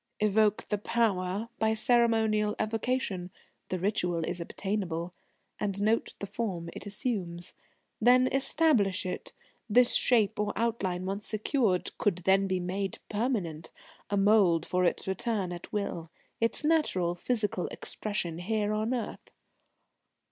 "Evoke the Power by ceremonial evocation the ritual is obtainable and note the form it assumes. Then establish it. This shape or outline once secured, could then be made permanent a mould for its return at will its natural physical expression here on earth."